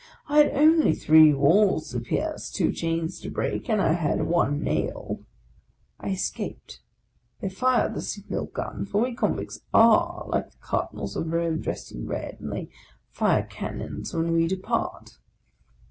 I had only three walls to pierce, two chains to break, and I had one nail ! I escaped. They fired the signal gun; for we convicts are, like the Car dinals of Rome, dressed in red, and they fire cannons when we depart